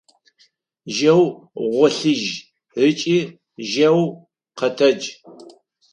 Жьэу гъолъыжь ыкӏи жьэу къэтэдж!